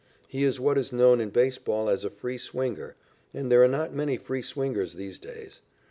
He is what is known in baseball as a free swinger, and there are not many free swingers these days.